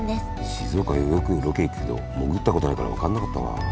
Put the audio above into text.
静岡へよくロケ行くけど潜ったことないから分かんなかったわ。